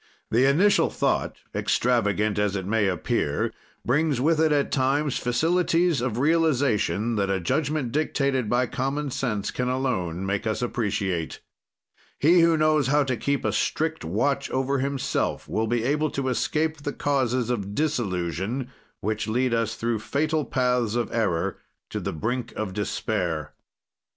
The initial thought, extravagant as it may appear, brings with it, at times, facilities of realization that a judgment dictated by common sense can alone make us appreciate. He who knows how to keep a strict watch over himself will be able to escape the causes of disillusion, which lead us through fatal paths of error, to the brink of despair.